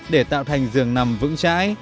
để tạo thành giường nằm vững chãi